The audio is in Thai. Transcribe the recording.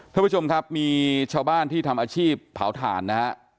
ท่านผู้ชมครับมีชาวบ้านที่ทำอาชีพเผาถ่านนะฮะ